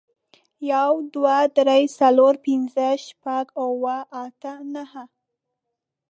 يو، دوه، درې، څلور، پينځه، شپږ، اووه، اته، نهه